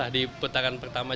di putaran pertama